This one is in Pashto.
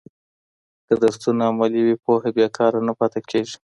که درسونه عملي وي، پوهه بې کاره نه پاته کېږي.